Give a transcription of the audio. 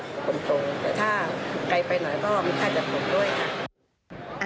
คนตรงแต่ถ้าไกลไปหน่อยก็มีค่าจากผมด้วยค่ะ